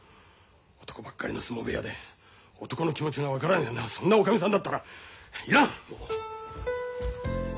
男ばっかりの相撲部屋で男の気持ちが分からんようなそんなおかみさんだったらいらん！